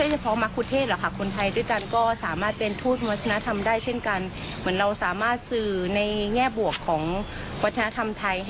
ซึ่งสำหรับเราอ่ะมันก็เหมือนกับ